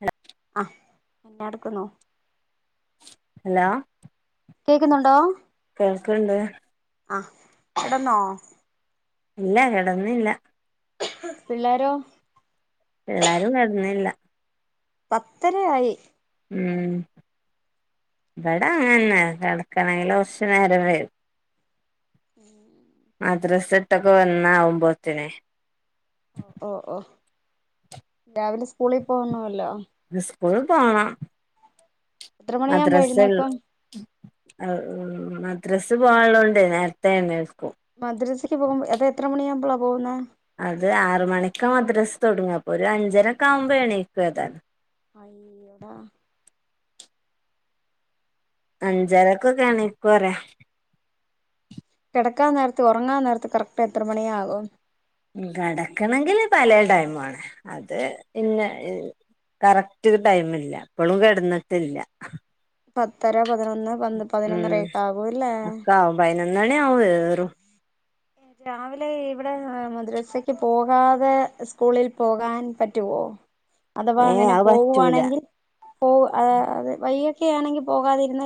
ഉ [inaudible] എന്താടുക്കുന്നു? ഹലോ കേൾക്കുന്നുണ്ടോ? കേൾക്കണ്ട്. ആഹ് എടന്നോ ഇല്ല കടന്നില്ല. പിള്ളാരോ? പിള്ളാരും കിടന്നില്ല. പത്തരയായി ഉം ഇവിട അങ്ങനന്നെ കിടക്കണെങ്കില കുറച്ച നേരം വരും. ഉം അ്ര സെട്ടക്ക വന്ന അകുമ്പോത്തന ഓ ഓ ഓ രാവിലെ സ്കൂളിൽ പോണോല്ലോ സ്കൂൾ പോണം. എത്ര മദ്രസ മണിയാവുമ്പോരുന്നേക്കും? മദ്രസ് പോവാനുള്ളതൊണ്ട് നേരത്തെ എഴുന്നേൽക്കും മദ്രസക്ക് പോകുമ്പോ അതാ എത്ര മണിയാകുമ്പോളാ പോകുന്ന? അത് ആറ മണിക്ക മദ്രാസ് തുടങ്ങാ അപ്പൊ ഒരു അഞ്ചരക്കെ ആവുമ്പോ എണീക്കും ഏതാനും യി എടെ ആഹ് അഞ്ചരൊക്കൊക്കെയാണ് ഇപ്പറെ [inaudible] കിടക്കാൻ നേരത്ത് ഉറങ്ങാൻ നേരത്ത് കറക്റ്റ് എത്ര മണിയാ ആകും? കിടക്കണെങ്കില് പല ടൈം ആണ അത് ഇന്ന കറക്റ്റ് ടൈമ ഇില്ല ഇപ്പോളും കിടന്നിട്ടില്ല പത്തര പതിനൊന്ന് പന്ത് ഉം പതിനൊന്നരയൊക്കെ ആകൂല്ലേ അക്കആവും പയിനോന്നണി ആവും ഏറും രാവിലെ ഇവിടെ മദ്രസക്ക് പോകാതെ സ്കൂളിൽ പോകാൻ പറ്റുവോ? അഥവാ ഏ അങ്ങനെ അത് പറ്റൂല പോവുവാണെങ്കിൽ. പോ അ അത് വയ്യൊക്കെ ആണെങ്കിൽ പോകാതിരുന്ന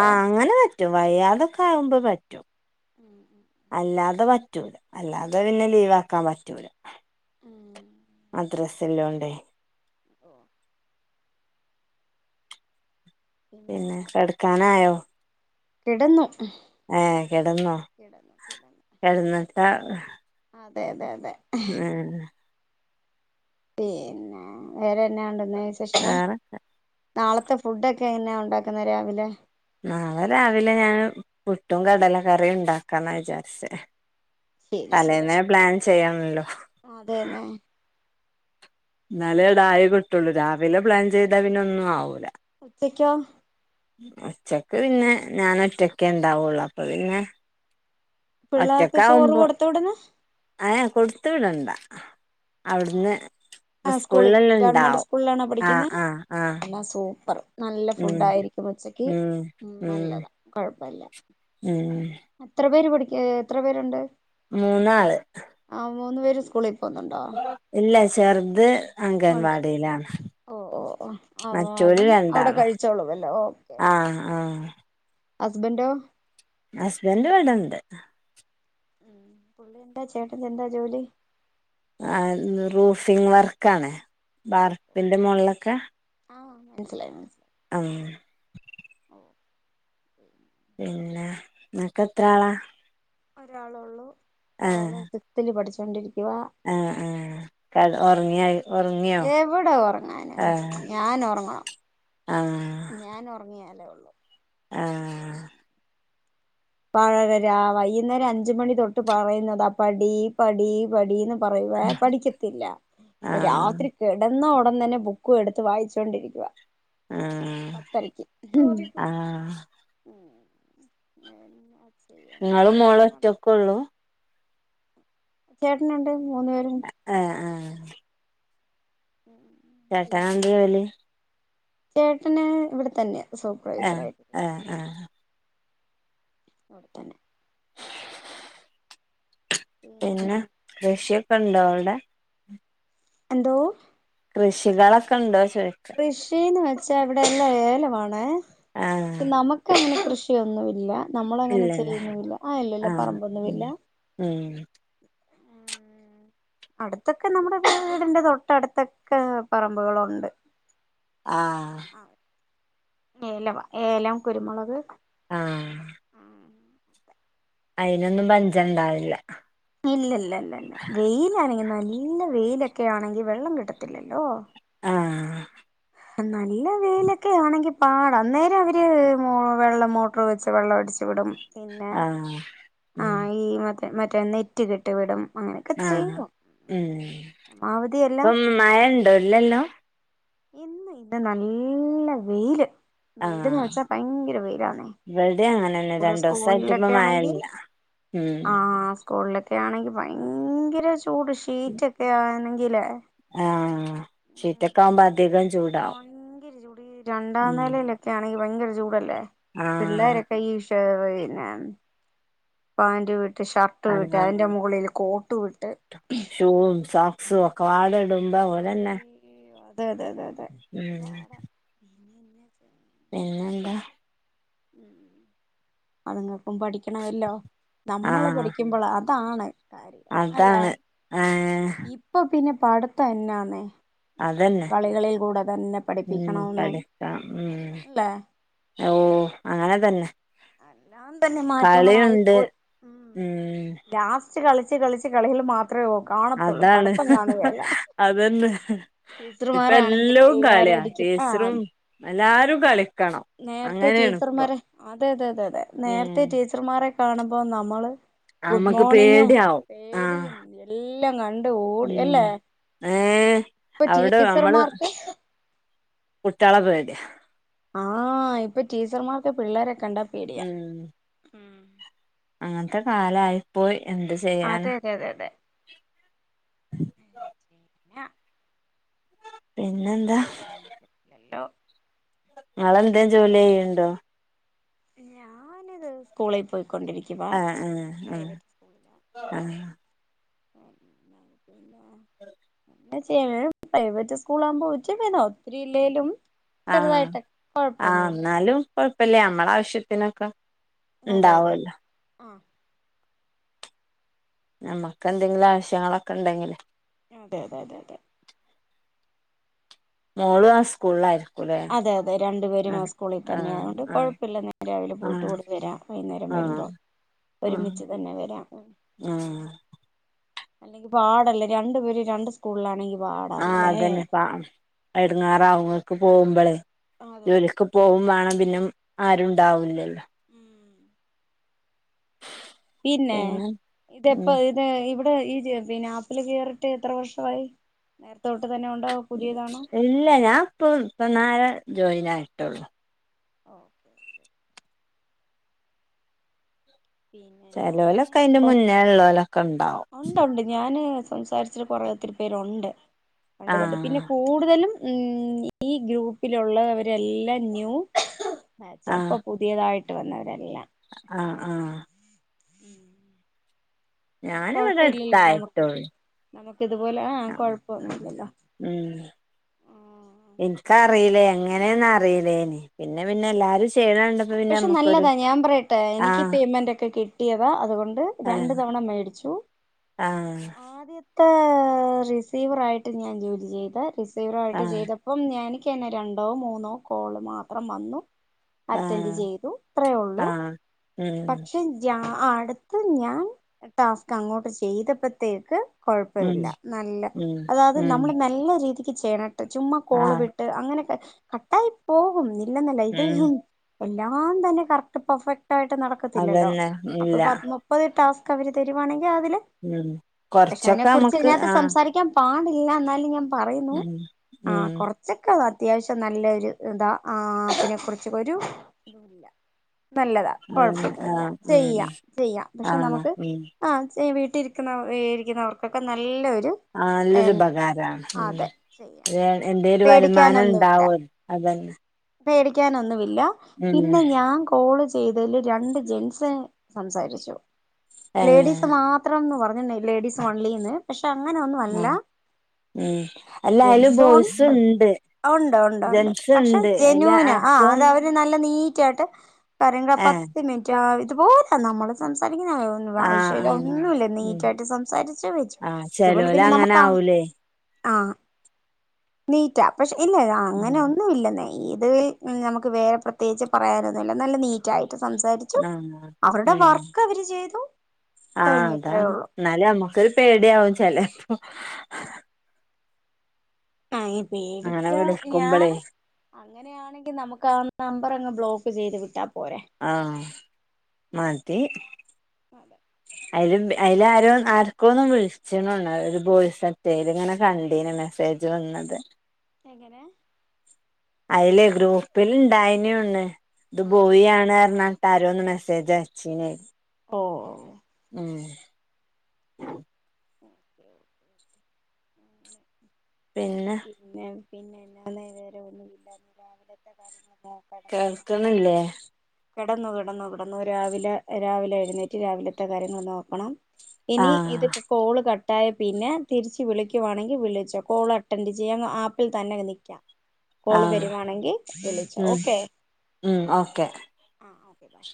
ആഹ അങ്ങനെ പറ്റും വയാതൊക്കെ ആകുമ്പോ പറ്റും ഉം ഉം ഉ അല്ലാതെ പറ്റൂല അല്ലാതെ പിന്നെ ലീവാക്കാൻ പറ്റൂല മദ്രസ് [unintelligible] ഓ പിന്നെ പിന്നെന്താ കെടക്കാനായോ കിടന്നു ഏഹ് കെടന്നോ, കിടന്നു കിടന്നു കെടന്ന് ആഹ് അതെ അതെ അതെ പിന്നെ വേറെന്നാ ഉണ്ട് [unintelligible] വേറെ നാളത്തെ ഫുഡൊക്കെ എങ്ങനെയാ ഉണ്ടാക്കുന്നെ രാവിലെ നാളെ രാവിലെ ഞാൻ പുട്ടും കടലക്കറിയും ഉണ്ടാക്കാന്നാ വിചാരിച്ചേ ശരി ശരി തലേന്നേ പ്ലാൻ ചെയ്യണല്ലോ അതെന്നെ എന്നാല് തായെ കിട്ടുള്ളു രാവിലെ പ്ലാൻ ചെയ്താ പിന്നെ ഒന്നും ആവൂല ഉച്ചക്കോ ഉച്ചക്ക് പിന്നെ ഞാൻ ഒറ്റക്കെ ഉണ്ടാവുള്ളു അപ്പൊ പിന്നെ. പിള്ളേർക്ക് ചോറ് കൊടുത്ത വിടുന്നേ ഏ കൊടുത്തു വിടണ്ട അവിടുന്ന് ആ സ്കൂളിൽ സ്കൂൾലെല്ലാം ഗവൺമെന്റ് ഇണ്ടാവും സ്കൂളിലാണോ ആ പഠിക്കുന്നെ ആ ആ എല്ലാം [unintelligible] നല്ല ഫുഡായിരിക്കും ഉച്ചക്ക് ഉം നല്ലതാ കൊഴപ്പല്ല ഉം അത്ര പേര് പഠിക്ക എത്ര പേരുണ്ട് മൂന്നാള് ആ മൂന്ന് പേര് സ്കൂളി എല്ലാ ചെർത് ഒണ്ട് ഓ ഓ ഓ അ മറ്റോല് അതും അവിടെ രണ്ടാളും കഴിച്ചോളുവല്ലോ ഓക്കേ ആഹ് ഹസ്ബൻന്റൊ ഹസ്ബൻറ് ഇവടെണ്ട് ഉം പുള്ളി എന്താ ചേട്ടൻ എന്താ ജോലി ആ റൂഫിംഗ് വർക്ക് ആണ് ബാർപ്പിന്റെ മുകളൊക്കെ മൻസിലായി മൻ ഓ പിന്നെ നിനക്ക് എത്ര ആളാ? ഒരാളൊള്ളൂ അവള് സിക്സ്ത്തിൽ പഠിച്ചു രണ്ടടി ഏ ഏ കൽ ഒ [unintelligible] എവിട ഉറങ്ങാന ഞാൻ ഉറങ്ങണം ആഹ് ഞാൻ ഉറങ്ങിയാലേ ഉള്ളൂ ആ ഇപ്പാരാ വരാ വൈകുന്നേരം അഞ്ചു മണി തൊട്ട് പറയുന്നതാ പടീ പടീ പടീ ന്ന് പറയുവേ പഠിക്കത്തില്ല പ്പ ആഹ് രാത്രി കിടന്നാ ടൻ തന്നെ ബുക്കും എടുത്ത് വായിച്ചോണ്ടിരിക്കുവാ ആഹ് പത്തരക്ക് ഉം ആഹ് ഉ [inaudible] വേറെന്നാ നിങ്ങളും മോളും ഒറ്റൊക്കൊള്ളൂ ചേട്ടനുണ്ട് മൂന്നു ഏഹ് പേരും ഏഹ് ഉ [inaudible] ചേട്ടനെന്താ ജോലി ചേട്ടന് ഇവിടെ തന്നെയാ ആഹ് സൂപ്രൈവൈസറായിട്ട് ആഹ് ആഹ് ഔടെ തന്നെ പിന്നെ കൃഷിയൊ ക്കണ്ടോ അവിടെ എന്തോ കൃഷികളൊക്കെ ഇണ്ടോ കൃഷീന്ന് വെ ച്ചാ ഇവിടെയല്ലാം ഏലമാണേ ആഹ് ശെ നമുക്ക് അങ്ങനെ കൃഷിയൊന്നുവി ഇല്ല നമ്മളങ്ങനെ ഇല്ലല്ലേ ചെയ്യുന്നുവില്ല ആ ഇല്ലല്ല ആഹ് ഉം പറമ്പൊന്നുവില്ല ഉം അടുത്തൊക്കെ നമ്മുടെ വീടിന്റെ തൊട്ട് അടുത്തൊക്കെ പറമ്പുകളുണ്ട് ആഹ് ഏല വാ ഏലം കുരുമുളക് ആഹ് അതിനൊന്നും പഞ്ചം ഉണ്ടാവില്ല ഇല്ല ഇല്ല ഇല്ല ഇല്ല വെയിലാണെങ്കിൽ നല്ല വെയില ക്കെ ആണെങ്കിൽ വെള്ളം കിട്ടത്തില്ലല്ലോ ആ നല്ല വെയിലൊക്കെ ആണെങ്കി പാട അന്നേരം അവര് വെള്ളം മോട്ടർ വെച്ച് വെള്ളം അടിച്ചു വിടും ആഹ് ഉം മറ്റെ മറ്റേ നെറ്റ് കെട്ടി വിടും അങ്ങനെയൊക്കെ ആ ചെയ്യും ഉം പരമാവധിയെല്ലാം ഇപ്പം മഴ ഉണ്ടോ ഇല്ലല്ലോ ഇന്ന് ഇവിടെ നല്ല വെയില് വെയിലന്ന് ആഹ് വെച്ചാ ഭയങ്കര വെയിലാണേ ന്നെ ചൂട് രണ്ടു ദിവസായിട്ട് ഇപ്പ സ്കൂളിലൊക്കെ ആണെങ്കി മഴയില്ല ഉം ആ സ്കൂളിലൊക്കെ ആണെങ്കിൽ ഭയങ്കര ചൂ ചൂട് ഷീറ്റ് ഒക്കെ ആ കിലെ ആ ഷീറ്റക്കെ ആവുമ്പോ അധികം ചൂടാവും ഭയങ്കര ചൂട് ഈ രണ്ടാം ഉം നിലയിലൊക്കെ ആണെങ്കിൽ ഭയങ്കര ചൂടല്ലേ ആഹ് പിള്ളോരൊക്കെ ഈഷ [unintelligible] പാന്റുവി ഷർട്ടുവിട്ട് ആഹ് അതിന്റെ മുകളിൽ കോ ട്ടു വിട്ട് സോക്കാവട് ടുമ്പ ഓലന്നേ അയ്യോ അതെ അതേ അതേ ഉം [inaudible] പിന്നെന്താ ഉം അതുങ്ങ ക്കും പഠിക്കണമല്ലോ നമ്മള് ആഹ് പഠിക്കുമ്പോൾ അതാണ് അല്ലേ അതാണ് ഏഹ് ഇപ്പൊ പിന്നെ പടുത്തം എന്നാന്നേ എല്ലാം അതന്നെ കളികളിൽ കൂടെ തന്നെ ഉം പഠിപ്പിക്കണോന്നും പഠിക്കാം ഉം എല്ലാം അല്ലേ ഓ അങ്ങനെ തന്നെ എല്ലാം തന്നെ കളിയുണ്ട് മാറ്റങ്ങളായിപ്പോയി ഉം ലാസ്റ്റ് കളി കളിച്ച് കളികൾ മാത്രം അതാണ് അതന്നെ ഇപ്പ ടീച്ചർമാരാണെങ്കിൽ എല്ലോം പിള്ളേരെ കളിയാ അടിക്കും ആഹ് ടീച്ചറും എല്ലാരും കളിക്കണം നേരത്തെ അങ്ങനെയാണ് ഇപ്പൊ ടീച്ചർമാരെ അതെ അതെ അതതെ ഉം നേരത്തെ ടീച്ചർമാ മാരെകാണുമ്പോ നമ്മള് ഗുഡ് നമ്മക്ക് മോർണിങ്ങും പേടിയാവും ആഹ് പേടിയും എല്ലാം കണ്ട് ഓടി അല്ലേ ഉം ഏഹ് ഇപ്പൊ ടീച്ചർമാർക്ക് കുട്ട്യാള പേടി- ആഹ ഇപ്പൊ ടീച്ചർമാർക്കെ പിള്ളേരക്കെ കണ്ടാ പേടിയാ ഉ അങ്ങനത്തെ കാലായിപ്പോയി എന്ത് ചെയ്യാനാ അതെ അതെ അതെ അതെ [unintelligible] ഏ പിന്നെന്താ ഹലോ [unintelligible] ങ്ങളെന്തേം ജോലി ചെയ്യ്ണ്ടോ ഞാനിത് സ്കൂളിൽ പോയി ആഹ ഉ ഉ ആഹ ഉ ഉ ആ ഉ [unintelligible] ങ്ങനെ ചെയ്യ പ്രൈവറ്റ് സ്കൂളാകുമ്പോൾ ഒത്തിരി ഇല്ലേലും ആഹ് ചെറുതായിട്ട് ആ് കൊഴപ്പൊന്നുമില്ല എന്നാലും കുഴപ്പില്ലേ നമ്മളെ ആവശ്യത്തിനൊക്കെ അതെ അതെ ഉണ്ടാവല്ലോ ആഹ നമ്മക്ക് എന്തെങ്കിലും ആവശ്യങ്ങളൊക്കെ ഉണ്ടെങ്കില് അതെ അതെ അതെ അതെ മോളും ആ സ്കൂളിലായിരുന്നു അതെ അതെ രണ്ടുപേരും ആ സ്കൂളിൽ തന്നെ ആഹ് അതുകൊണ്ട് ആഹ് കൊഴപ്പമില്ല നേരെ രാവിലെ പോയിട്ട് ആഹ് കൂടി വരാം വൈകുന്നേരം ആഹ് വരുമ്പോ ആഹ് ആഹ് ഒരുമിച്ച് തന്നെ വരാം അല്ലെങ്കി പാടല്ലേ രണ്ട് പേര് രണ്ട് സ്കൂളിലാണെങ്കിലും ആഹ അതന്നെ പ എടങ്ങേറാങ്ങൾക്കും പോകുമ്പളേ അതെ ജോലിക്ക് പോകും വേണം- ആ പിന്നെ ആരും ഉണ്ടാവൂലല്ലോ ഉം പിന്നേ പിന്നെ ഉം ഇതെപ്പോ ഇത് ഇവ് ഈ ജെ പിന്നെ ആപ്പില് കേറീട്ട് എത്ര വർഷവായി നേര ഇല്ല ഞാൻ ഇപ്പൊ ഇപ്പന്നാരെ ജോയിൻ ആയിട്ടൊള്ളൂ ഓക്കേ ഓക്കേ പിന്നെന്നാന്നേ ചെലോലൊക്കെ അയ്ന്റെ മുന്നേ ഇള്ളോലൊക്കെണ്ടാവും ഉണ്ടുണ്ട് ഞാന് സംസാരിച്ചിട്ട് കൊറേ ഒത്തിരി പേരൊണ്ട് കണ്ടതോണ്ട് പിന്നെ ആഹ് കൂടുതലും ഉം ഈ ഗ്രൂപ്പിലുള്ളവരെല്ലാം ന്യൂ അ ചെൽപ്പൊ പുതിയതായി യിട്ട് വന്നവരല്ല അആ ആ ഉം പിന്നെ ഞാനിവടെ കൊഴപ്പ ഇല്ലല്ലോ നമുക്ക് അട്ത്തായിട്ടോള്ളു നമുക്ക് ഇതുപോലെ ആ അ കൊഴപ്പൊന്നുമില്ലല്ലോ ഉം ആഹ് ഇൻക്കറീലേ ഇങ്ങനേന്നറീലേനി പിന്നെ പിന്നെ എല്ലാരും ച് പക്ഷെ നല്ലതാ ഞാൻ പറയട്ടെ എനിക്ക് ആഹ് പേയ്മെന്റ് ഒക്കെ കി ട്ടിയത അതുകൊണ് ണ്ട് ആഹ് രണ്ട് തവണ മേടിച്ചു ആഹ് ആദ്യതെ ഇപ്പോ റിസീവർ ആയിട്ടും ഞാൻ ജോലി ചെയ്ത റിസി റിസീവറായിട്ട് ആഹ് ചെയ്തപ്പം ഞാനി ക്കെന്നെ രണ്ടോ മൂന്നോ കോള് മാത്രം വന്നു അറ്റൻ്റ് ആഹ് ചെയ്തു ഇത്രേ ഒള്ളൂ ആഹ് ഉം പക്ഷെ ജാ ആ അട്ത്ത് ഞാൻ ടാസ്ക് അങ്ങോട്ട് ചെയ്തപ്പത്തേക്ക് ഉം കൊഴപ്പവില്ല നല്ല ഉം അതായത് ഉം നമ്മള് നല്ല രീതി ക്കി ചെയ്യണം ചുമ്മാക്കോള് ആഹ് വിട്ട് അങ്ങനൊക്കെ കട്ടായി പോകും ഇല്ലെന്നല്ല ഇത് ഉം എല്ലാം തന്നെ കറക്ട് പെർഫെ ട്ടായിട്ട് നടക്കത്തില്ലല്ലോ അതന്നെ അപ്പൊ ഇല്ല പ്പ മുപ്പത് ടാസ് കവര് തരുവാണെ രാവിലെ ഉം പക്ഷെ അതിനെ കൊറച്ചൊക്കെ കുറിച്ച് നമുക്ക് ഇതിനാത്ത് ആഹ് സംസാരിക്കാൻ പാടി ഇല്ല എന്നാലും ഞാൻ പറയുന്നു ഉം ആ ഉം കൊറച്ചൊക്കെ അത്യാവശ്യം നല്ല ഒരു ഇതാ ആ ആപിനേ കുറിചും ഒരു നല്ലതാ അതന്നെ കൊഴപ്പൊന്നുല്ല ആഹ് ഉം ചെയ്യാ ചെയ്യാം പക്ഷെ ആഹ് നമുക്ക് ഉം ആഹ് ആ ചെയ് ട്ടിരിക്കുന്നവർക്കൊക്കെ നല്ല ഒ ആ നല്ലൊരു ഉപകാരമാണ് ചെയ്യാം ഉ എ എ ഒരു വരുമാനം ഉണ്ടാവോല്ലോ അതന്നെ പേടിക്കാനൊന്നുമി ല്ല ഉം പിന്നെ ഞാൻ കോള് ചെ ചെയ്തതില് രണ്ട് ജെന്സ് സംസാരിച്ചു ഏഹ് ലേഡീസ് മാത്രംന്ന് പറ ലേഡീസ് ഓൺലിന്ന് പക്ഷ ആ ഉം അല്ലാ അയിലും ബോയ്സും ഉണ്ട് ഉണ്ട് ഉണ്ട് ഉണ്ട് ജെന്സ് പക്ഷെ ഉണ്ട് അയില് ജെനൂന ആ ആർക്കോ അത് അവര് നല്ല നീറ്റ് ആയിട്ട് കാര ഏഹ് പത്ത് മിനിറ്റ് ആ അതുപോലെ നമ്മള് സംസാ ഒ ആഹ് വഴഷല്ല ആഹ് ഒന്നുമല്ല ഉം നീറ്റായിട്ട് സംസാരിച്ച വച്ചു ആഹ് ഇതുപോലെ ചെലോല് പിന്നെ അങ്ങനെ നമക്കാ ആവൂലേ ആ നീറ്റാ പക്ഷെ ഇല്ല ഉം അങ്ങനെയ ഒന്നും ഇില്ലെന്ന ഇത് നമുക്ക് വേറെ പ്രത്യേകിച്ച് പറയാനൊന്നുമില്ല നല്ല നീറ്റ ആയിട്ട് സംസാരിച്ചു ആഹ് അവരുടെ ഉം വർക്ക് അവര് ചെയ്തു കഴിഞ്ഞു അത്രയേ ഉള്ളു ഒരു പേടിയവും ചലപ്പ ആ അങ്ങനെ പേടിക്കാ വിളിക്കുമ്പളേ ഞാനും അങ്ങനെയാണെങ്കിൽ നമുക്കാ അപ്പറ അങ് ബ്ലോക്ക് ചെയ്ത് വിട്ടാം ആഹ മതി അതെ അതില് അതിൽ ആരോ ആർക്കും ഒന്നും വിളിച്ചണണ്ട ഒരു വോയിസ ചെയ്ത് ഇങ്ങനെ കണ്ടീനെ മെസ്സേജ് വന്നത് എങ്ങനെ അതിലെ ഗ്രൂപ്പിൽ ഇണ്ടായനുണ് ഇത് ആ ആ ബോയി ആണ് ർന് താരോ ഒന്ന് മെസ്സേജ് അയച്ചനേ ഓഓ ഉം ഒകെ പിന്നെ പിന്നെന്നാന്നെ വേറെ ഒന്നുമില്ല രാവിലത്തെ കാര്യ [unintelligible] കേൾക്ക്ണില്ലേ കിടന്നു കിടന്നു കിടന്നു രാവിലെ രാവിലെ എഴുന്നേറ്റ് രാവിലത്തെ കാര്യങ്ങൾ നോക്കണം ഇനി ആഹ് ഇതൊക്കെ കോള് ക- പിന്നെ തിരിച്ച് വിളിക്കുവാണെങ്ക- വിളിച്ച കോൾ അറ്റൻഡ് ചെയ്യാ ആപ്പിൽ തന്നെ നിക്കാം കോള് ആഹ് വരുവാണെങ്കിൽ വിളിച്ചോ ഉം ഓക്കെ ഉം ഓക്കെ ആ ഓക്കെ ബൈ